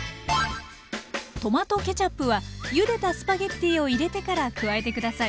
トマトケチャップはゆでたスパゲッティを入れてから加えて下さい。